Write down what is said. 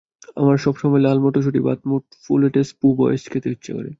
আমার সবসময় লাল মটরশুটি, ভাত, মুফুলেটাস, পো বয়েজ খেতে ইচ্ছে করে।